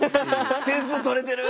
点数とれてる！」